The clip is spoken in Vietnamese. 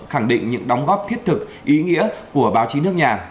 khẳng định những đóng góp thiết thực ý nghĩa của báo chí nước nhà